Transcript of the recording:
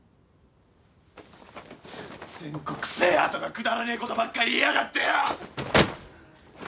全国制覇とかくだらねえことばっか言いやがってよ！